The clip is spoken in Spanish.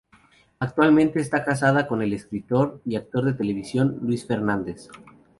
Actualmente está casada con el escritor y actor de televisión Luis Fernández.